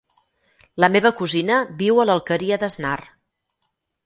La meva cosina viu a l'Alqueria d'Asnar.